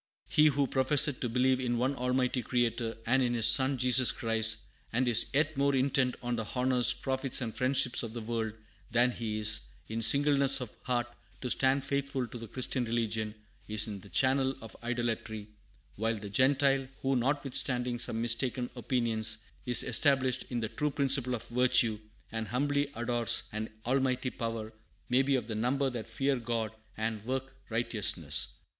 "He who professeth to believe in one Almighty Creator, and in His Son Jesus Christ, and is yet more intent on the honors, profits, and friendships of the world than he is, in singleness of heart, to stand faithful to the Christian religion, is in the channel of idolatry; while the Gentile, who, notwithstanding some mistaken opinions, is established in the true principle of virtue, and humbly adores an Almighty Power, may be of the number that fear God and work righteousness."